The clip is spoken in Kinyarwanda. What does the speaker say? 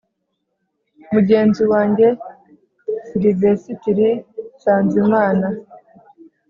mugenzi wanjye silivesitiri nsanzimana